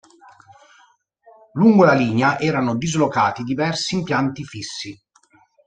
Lungo la linea erano dislocati diversi impianti fissi.